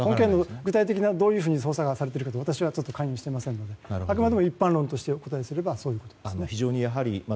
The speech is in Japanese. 具体的にどう捜査がされているか私は関与していませんのであくまで一般論としてお答えすればそういうことです。